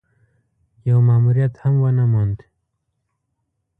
يو ماموريت هم ونه موند.